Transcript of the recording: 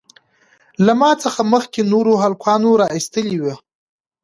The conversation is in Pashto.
له ما څخه مخکې نورو هلکانو رااېستى وو.